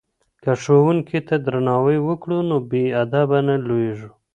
که ښوونکي ته درناوی وکړو نو بې ادبه نه لویږو.